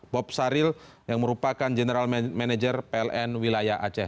bob saril yang merupakan general manager pln wilayah aceh